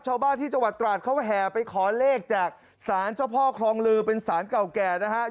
ชาวบ้านที่จังหวัดตราดเขาแห่ไปขอเลขจากสารเจ้าพ่อคลองลือเป็นสารเก่าแก่นะฮะ